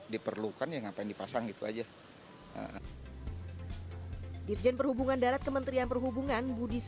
diperlukan ya ngapain dipasang itu aja dirjen perhubungan darat kementerian perhubungan budi